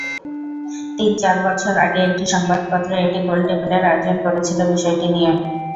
তিন–চার বছর আগে একটি সংবাদপত্র একটি গোলটেবিলের আয়োজন করেছিল বিষয়টি নিয়ে।